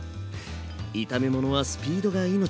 炒め物はスピードが命。